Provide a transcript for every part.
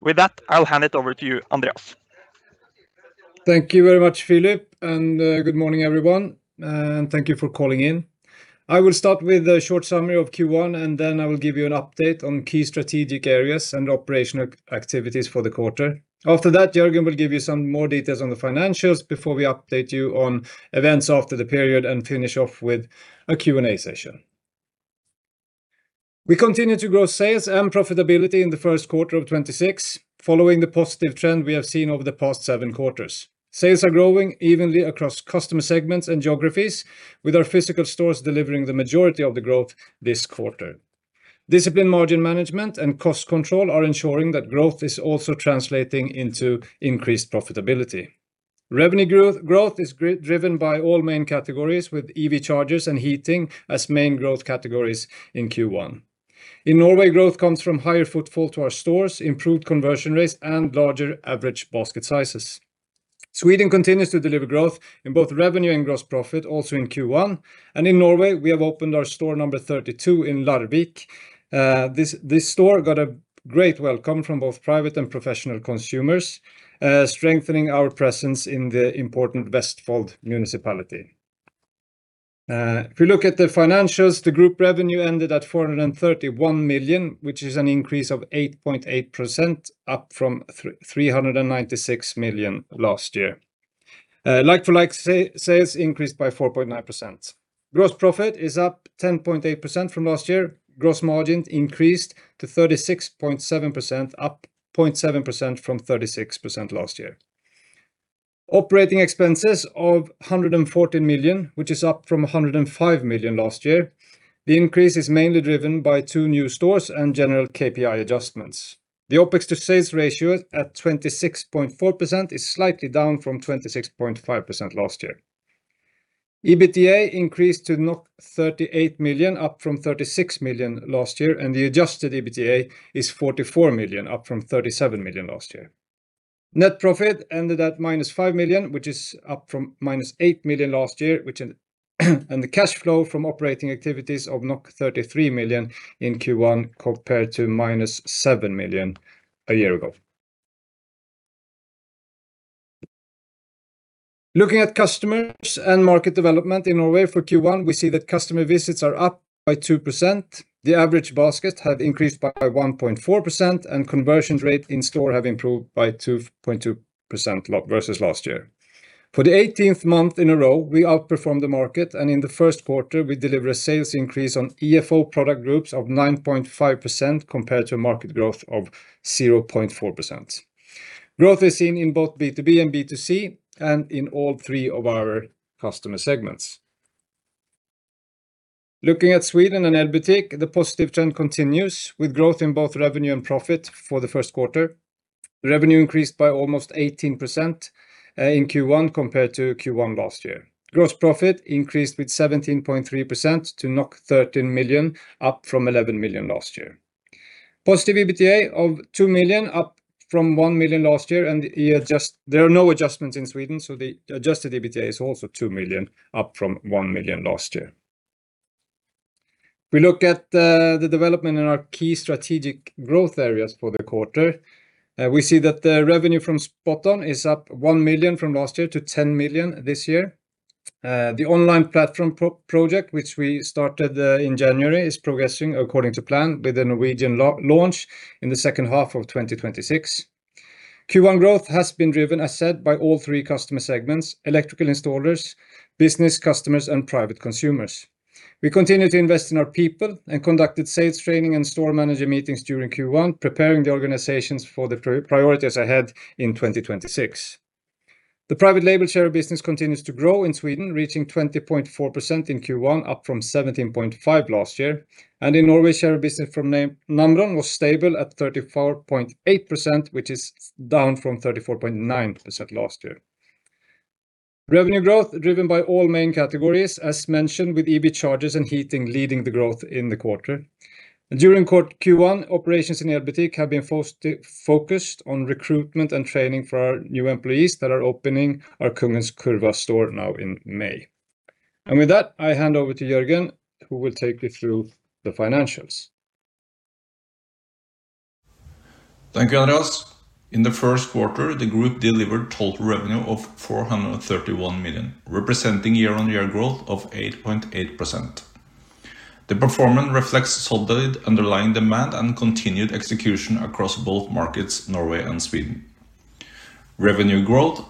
With that, I'll hand it over to you, Andreas. Thank you very much, Philip, and good morning, everyone, and thank you for calling in. I will start with a short summary of Q1, then I will give you an update on key strategic areas and operational activities for the quarter. After that, Jørgen will give you some more details on the financials before we update you on events after the period and finish off with a Q&A session. We continue to grow sales and profitability in the first quarter of 2026 following the positive trend we have seen over the past seven quarters. Sales are growing evenly across customer segments and geographies, with our physical stores delivering the majority of the growth this quarter. Discipline margin management and cost control are ensuring that growth is also translating into increased profitability. Revenue growth is driven by all main categories with EV chargers and heating as main growth categories in Q1. In Norway, growth comes from higher footfall to our stores, improved conversion rates, and larger average basket sizes. Sweden continues to deliver growth in both revenue and gross profit also in Q1. In Norway, we have opened our store number 32 in Larvik. This store got a great welcome from both private and professional consumers, strengthening our presence in the important Vestfold municipality. If you look at the financials, the group revenue ended at 431 million, which is an increase of 8.8%, up from 396 million last year. Like-for-like sales increased by 4.9%. Gross profit is up 10.8% from last year. Gross margin increased to 36.7%, up 0.7% from 36% last year. Operating expenses of 140 million, which is up from 105 million last year. The increase is mainly driven by two new stores and general KPI adjustments. The OPEX to sales ratio at 26.4% is slightly down from 26.5% last year. EBITDA increased to 38 million, up from 36 million last year, and the adjusted EBITDA is 44 million, up from 37 million last year. Net profit ended at -5 million, which is up from -8 million last year, and the cash flow from operating activities of 33 million in Q1 compared to -7 million a year ago. Looking at customers and market development in Norway for Q1, we see that customer visits are up by 2%. The average basket have increased by 1.4%, and conversion rate in store have improved by 2.2% versus last year. For the 18th month in a row, we outperformed the market, and in the first quarter, we delivered a sales increase on EFO product groups of 9.5% compared to a market growth of 0.4%. Growth is seen in both B2B and B2C and in all three of our customer segments. Looking at Sweden and Elbutik, the positive trend continues with growth in both revenue and profit for the first quarter. Revenue increased by almost 18% in Q1 compared to Q1 last year. Gross profit increased with 17.3% to 13 million, up from 11 million last year. Positive EBITDA of 2 million, up from 1 million last year. There are no adjustments in Sweden, so the adjusted EBITDA is also 2 million, up from 1 million last year. We look at the development in our key strategic growth areas for the quarter. We see that the revenue from SpotOn is up 1 million from last year to 10 million this year. The online platform project, which we started in January, is progressing according to plan with the Norwegian launch in the second half of 2026. Q1 growth has been driven, as said, by all three customer segments, electrical installers, business customers, and private consumers. We continue to invest in our people and conducted sales training and store manager meetings during Q1, preparing the organizations for the priorities ahead in 2026. The private label share business continues to grow in Sweden, reaching 20.4% in Q1, up from 17.5% last year. In Norway, share of business from Namron was stable at 34.8%, which is down from 34.9% last year. Revenue growth driven by all main categories as mentioned with EV chargers and heating leading the growth in the quarter. During Q1, operations in Elbutik have been focused on recruitment and training for our new employees that are opening our Kungens Kurva store now in May. With that, I hand over to Jørgen, who will take you through the financials. Thank you, Andreas. In the first quarter, the group delivered total revenue of 431 million, representing year-on-year growth of 8.8%. The performance reflects solid underlying demand and continued execution across both markets, Norway and Sweden. Revenue growth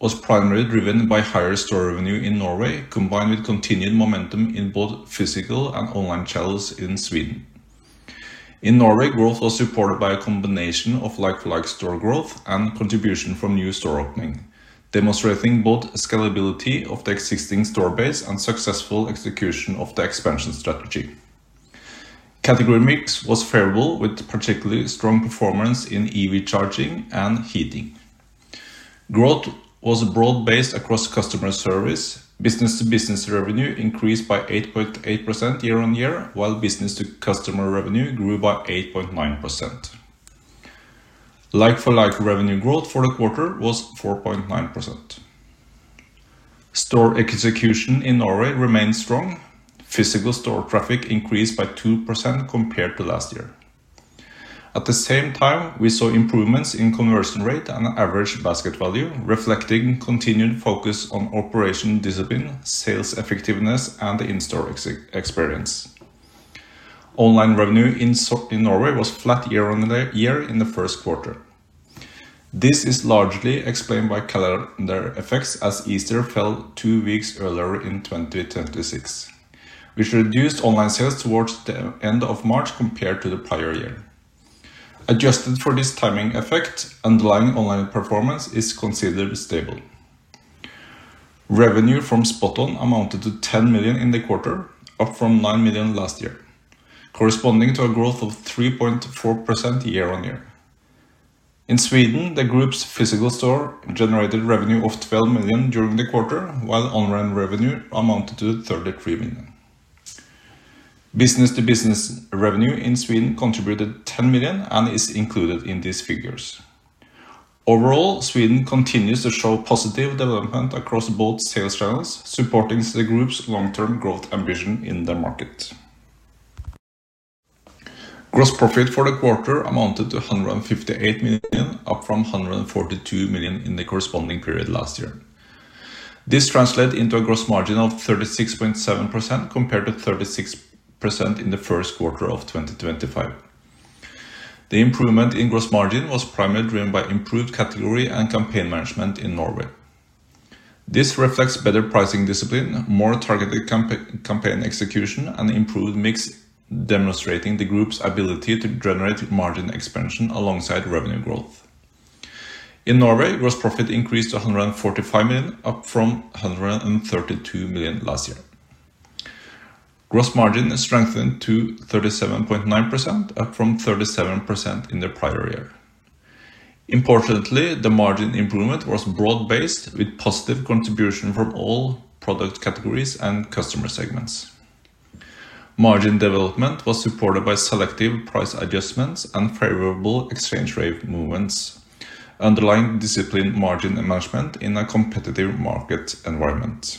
was primarily driven by higher store revenue in Norway, combined with continued momentum in both physical and online channels in Sweden. In Norway, growth was supported by a combination of like-for-like store growth and contribution from new store opening, demonstrating both scalability of the existing store base and successful execution of the expansion strategy. Category mix was favorable with particularly strong performance in EV charging and heating. Growth was broad-based across customer service. Business-to-business revenue increased by 8.8% year-on-year, while business-to-customer revenue grew by 8.9%. Like-for-like revenue growth for the quarter was 4.9%. Store execution in Norway remains strong. Physical store traffic increased by 2% compared to last year. At the same time, we saw improvements in conversion rate and average basket value, reflecting continued focus on operation discipline, sales effectiveness, and the in-store experience. Online revenue in Norway was flat year-on-year in the first quarter. This is largely explained by calendar effects, as Easter fell two weeks earlier in 2026. We should reduce online sales towards the end of March compared to the prior year. Adjusted for this timing effect, underlying online performance is considered stable. Revenue from SpotOn amounted to 10 million in the quarter, up from 9 million last year, corresponding to a growth of 3.4% year-on-year. In Sweden, the group's physical store generated revenue of 12 million during the quarter, while online revenue amounted to 33 million. Business-to-business revenue in Sweden contributed 10 million and is included in these figures. Sweden continues to show positive development across both sales channels, supporting the group's long-term growth ambition in the market. Gross profit for the quarter amounted to 158 million, up from 142 million in the corresponding period last year. This translates into a gross margin of 36.7% compared to 36% in the first quarter of 2025. The improvement in gross margin was primarily driven by improved category and campaign management in Norway. This reflects better pricing discipline, more targeted campaign execution, and improved mix, demonstrating the group's ability to generate margin expansion alongside revenue growth. In Norway, gross profit increased to 145 million up from 132 million last year. Gross margin strengthened to 37.9%, up from 37% in the prior year. Importantly, the margin improvement was broad-based with positive contribution from all product categories and customer segments. Margin development was supported by selective price adjustments and favorable exchange rate movements, underlying disciplined margin management in a competitive market environment.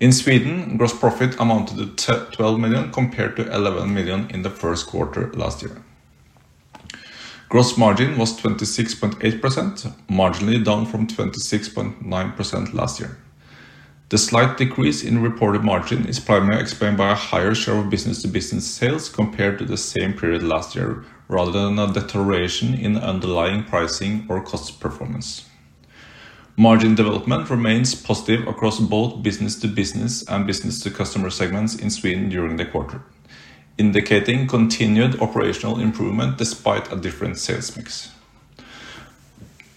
In Sweden, gross profit amounted to 12 million compared to 11 million in the first quarter last year. Gross margin was 26.8%, marginally down from 26.9% last year. The slight decrease in reported margin is primarily explained by a higher share of B2B sales compared to the same period last year, rather than a deterioration in underlying pricing or cost performance. Margin development remains positive across both B2B and B2C segments in Sweden during the quarter, indicating continued operational improvement despite a different sales mix.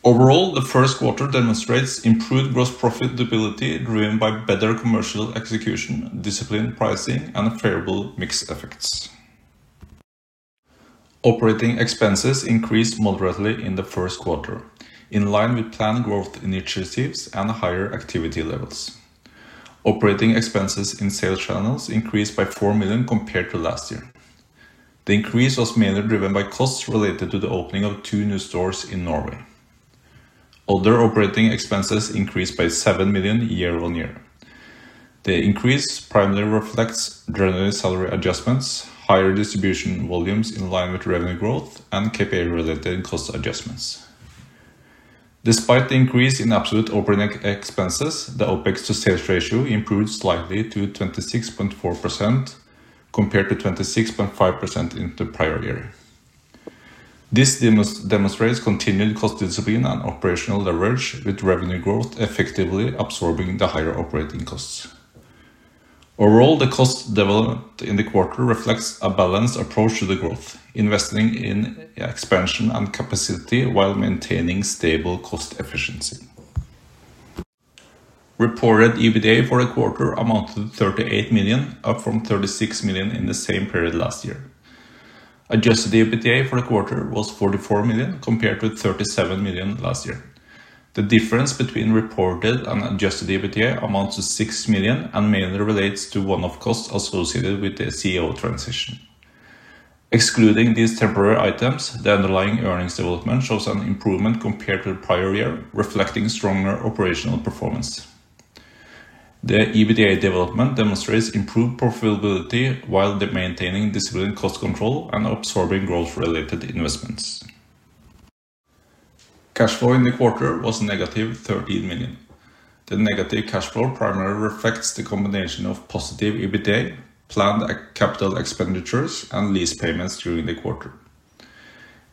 Overall, the first quarter demonstrates improved gross profitability driven by better commercial execution, disciplined pricing, and favorable mix effects. Operating expenses increased moderately in the first quarter, in line with planned growth initiatives and higher activity levels. Operating expenses in sales channels increased by 4 million compared to last year. The increase was mainly driven by costs related to the opening of two new stores in Norway. Other operating expenses increased by 7 million year-on-year. The increase primarily reflects generally salary adjustments, higher distribution volumes in line with revenue growth, and KPI-related cost adjustments. Despite the increase in absolute operating expenses, the OPEX-to-sales ratio improved slightly to 26.4% compared to 26.5% in the prior year. This demonstrates continued cost discipline and operational leverage with revenue growth effectively absorbing the higher operating costs. The cost development in the quarter reflects a balanced approach to the growth, investing in expansion and capacity while maintaining stable cost efficiency. Reported EBITDA for the quarter amounted to 38 million, up from 36 million in the same period last year. Adjusted EBITDA for the quarter was 44 million compared with 37 million last year. The difference between reported and adjusted EBITDA amounts to 6 million and mainly relates to one-off costs associated with the CEO transition. Excluding these temporary items, the underlying earnings development shows an improvement compared to the prior year, reflecting stronger operational performance. The EBITDA development demonstrates improved profitability while the maintaining disciplined cost control and absorbing growth-related investments. Cash flow in the quarter was negative 13 million. The negative cash flow primarily reflects the combination of positive EBITDA, planned capital expenditures, and lease payments during the quarter.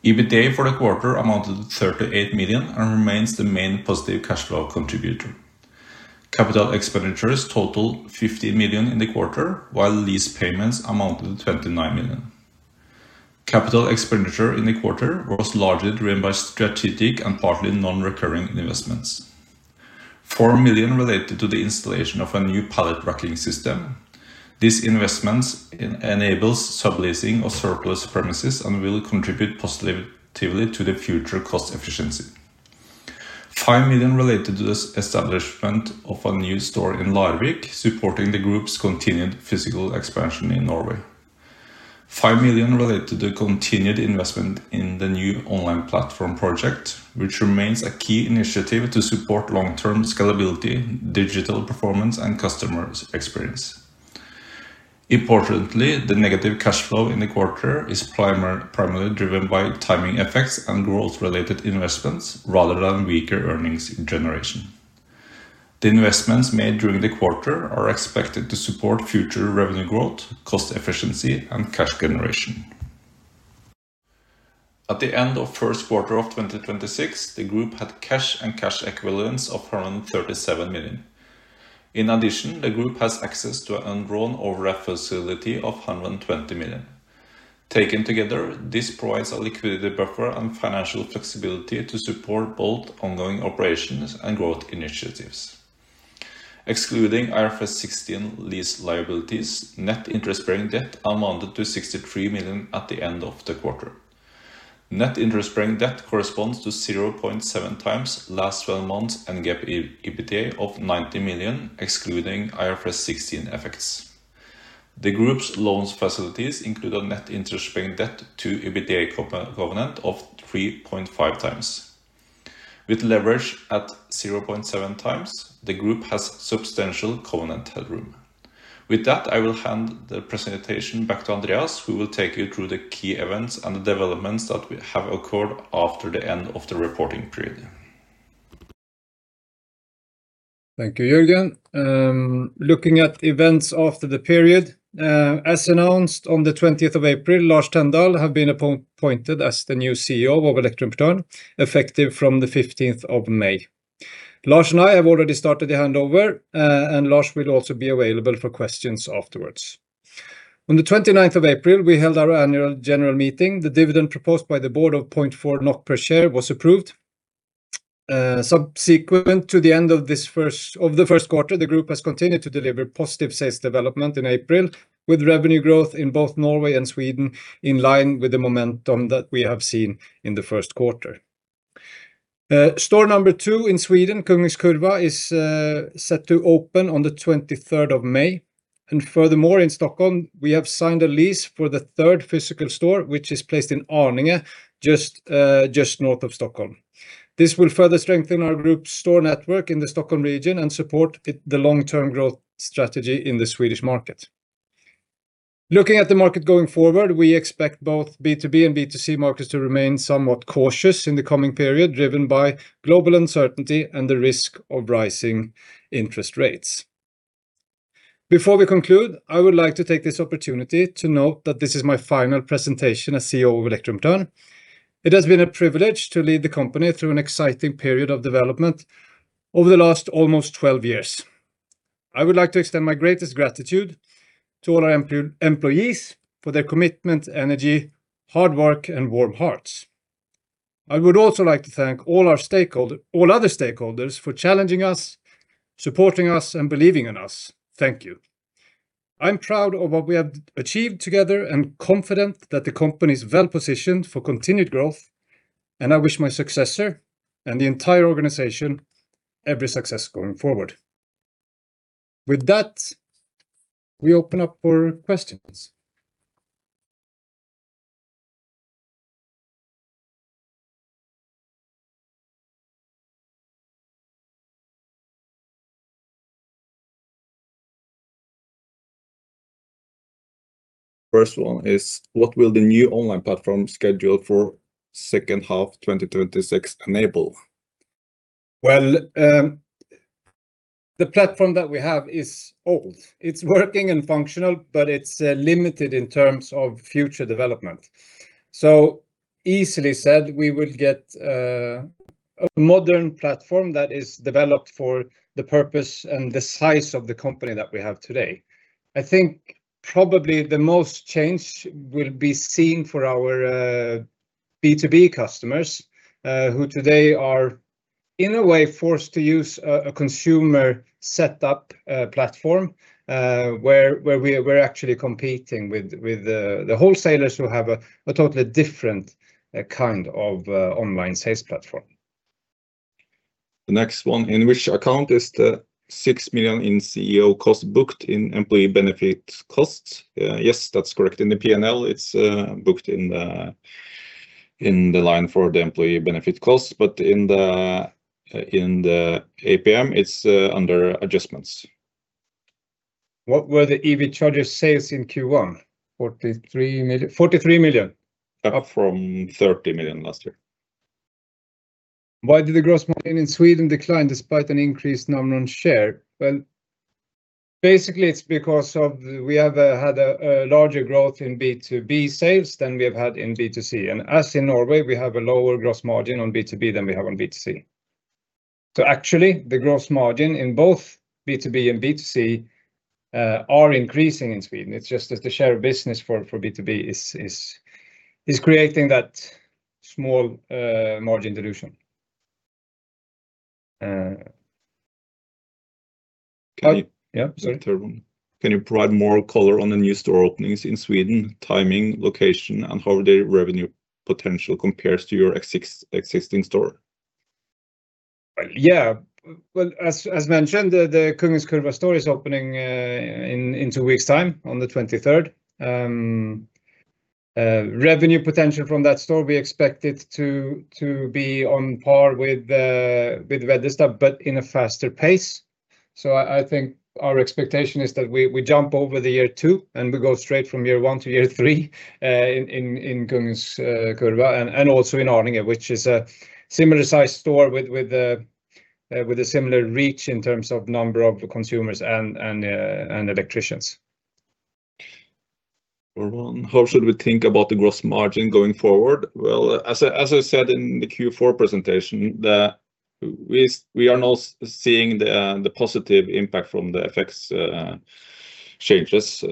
EBITDA for the quarter amounted to 38 million and remains the main positive cash flow contributor. Capital expenditures totaled 50 million in the quarter, while lease payments amounted to 29 million. Capital expenditure in the quarter was largely driven by strategic and partly non-recurring investments. 4 million related to the installation of a new pallet racking system. This investment enables subleasing of surplus premises and will contribute positively to the future cost efficiency. 5 million related to the establishment of a new store in Larvik, supporting the group's continued physical expansion in Norway. 5 million related to continued investment in the new online platform project, which remains a key initiative to support long-term scalability, digital performance, and customers' experience. Importantly, the negative cash flow in the quarter is primarily driven by timing effects and growth-related investments rather than weaker earnings generation. The investments made during the quarter are expected to support future revenue growth, cost efficiency, and cash generation. At the end of first quarter of 2026, the group had cash and cash equivalents of 137 million. In addition, the group has access to an undrawn facility of 120 million. Taken together, this provides a liquidity buffer and financial flexibility to support both ongoing operations and growth initiatives. Excluding IFRS 16 lease liabilities, net interest-bearing debt amounted to 63 million at the end of the quarter. Net interest-bearing debt corresponds to 0.7x last 12 months GAAP EBITDA of 90 million, excluding IFRS 16 effects. The group's loans facilities include a net interest-bearing debt to EBITDA covenant of 3.5x. With leverage at 0.7x, the group has substantial covenant headroom. With that, I will hand the presentation back to Andreas, who will take you through the key events and the developments that we have occurred after the end of the reporting period. Thank you, Jørgen Wist. Looking at events after the period, as announced on the 20th of April, Lars Tendal have been appointed as the new CEO of Elektroimportøren, effective from the 15th of May. Lars and I have already started the handover, and Lars will also be available for questions afterwards. On the April 29th, we held our annual general meeting. The dividend proposed by the board of 0.4 NOK per share was approved. Subsequent to the end of the first quarter, the group has continued to deliver positive sales development in April, with revenue growth in both Norway and Sweden in line with the momentum that we have seen in the first quarter. Store number two in Sweden, Kungens Kurva, is set to open on the May 23rd. Furthermore, in Stockholm, we have signed a lease for the third physical store, which is placed in Arninge, just north of Stockholm. This will further strengthen our group store network in the Stockholm region and support the long-term growth strategy in the Swedish market. Looking at the market going forward, we expect both B2B and B2C markets to remain somewhat cautious in the coming period, driven by global uncertainty and the risk of rising interest rates. Before we conclude, I would like to take this opportunity to note that this is my final presentation as CEO of Elektroimportøren. It has been a privilege to lead the company through an exciting period of development over the last almost 12 years. I would like to extend my greatest gratitude to all our employees for their commitment, energy, hard work, and warm hearts. I would also like to thank all our other stakeholders for challenging us, supporting us, and believing in us. Thank you. I'm proud of what we have achieved together and confident that the company is well-positioned for continued growth. I wish my successor and the entire organization every success going forward. With that, we open up for questions. First one is, what will the new online platform schedule for second half 2026 enable? The platform that we have is old. It's working and functional, but it's limited in terms of future development. Easily said, we will get a modern platform that is developed for the purpose and the size of the company that we have today. I think probably the most change will be seen for our B2B customers, who today are, in a way, forced to use a consumer setup platform, where we're actually competing with the wholesalers who have a totally different kind of online sales platform. The next one, in which account is the 6 million in CEO cost booked in employee benefit costs? Yes, that's correct. In the P&L, it's booked in the line for the employee benefit costs. In the APM, it's under adjustments. What were the EV charger sales in Q1? 43 million. Up from 30 million last year. Why did the gross margin in Sweden decline despite an increased nominal share? Basically, it's because of we have had a larger growth in B2B sales than we have had in B2C. As in Norway, we have a lower gross margin on B2B than we have on B2C. Actually, the gross margin in both B2B and B2C are increasing in Sweden. It's just that the share of business for B2B is creating that small margin dilution. Can you- Yeah. Sorry. The third one. Can you provide more color on the new store openings in Sweden, timing, location, and how their revenue potential compares to your existing store? Well, as mentioned, the Kungens Kurva store is opening in two weeks time, on the 23rd. Revenue potential from that store, we expect it to be on par with Veddesta, but in a faster pace. I think our expectation is that we jump over the year two and we go straight from year one to year three in Kungens Kurva and also in Arninge, which is a similar size store with a similar reach in terms of number of consumers and electricians. How should we think about the gross margin going forward? Well, as I said in the Q4 presentation, we are now seeing the positive impact from the FX changes.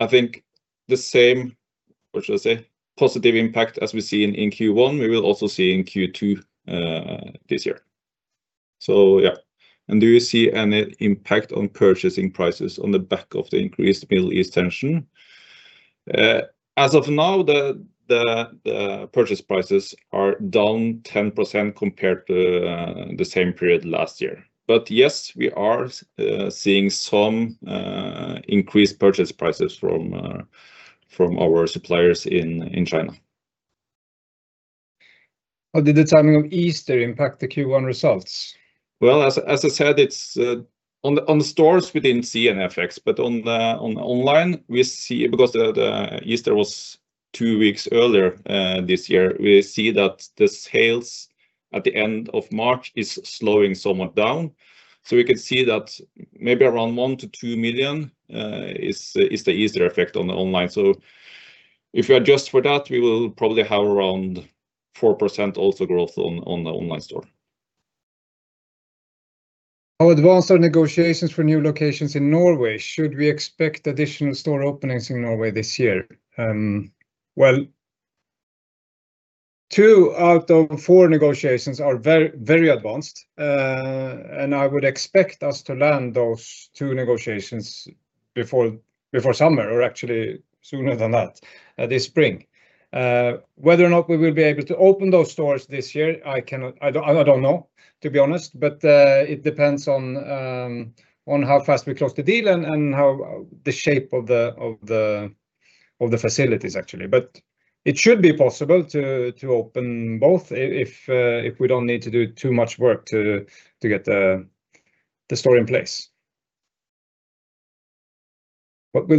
I think the same, what should I say? Positive impact as we see in Q1, we will also see in Q2 this year. Yeah. Do you see any impact on purchasing prices on the back of the increased Middle East tension? As of now, the purchase prices are down 10% compared to the same period last year. Yes, we are seeing some increased purchase prices from our suppliers in China. How did the timing of Easter impact the Q1 results? As I said, it's on the stores we didn't see an effect, but on online we see the Easter was two weeks earlier this year, we see that the sales at the end of March is slowing somewhat down. We can see that maybe around 1 million-2 million is the Easter effect on the online. If you adjust for that, we will probably have around 4% also growth on the online store. How advanced are negotiations for new locations in Norway? Should we expect additional store openings in Norway this year? Well, two out of four negotiations are very advanced. I would expect us to land those two negotiations before summer, or actually sooner than that, this spring. Whether or not we will be able to open those stores this year, I cannot, I don't know, to be honest. It depends on how fast we close the deal and how the shape of the facilities actually. It should be possible to open both if we don't need to do too much work to get the store in place. Nothing.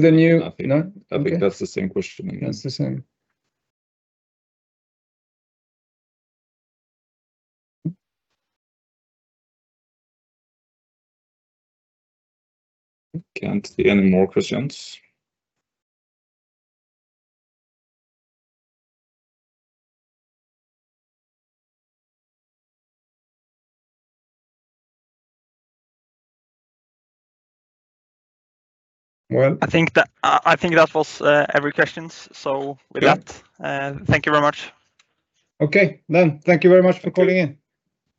No? Okay. I think that's the same question again. That's the same. I can't see any more questions. I think that was, every questions. Yeah. Thank you very much. Okay. Thank you very much for calling in.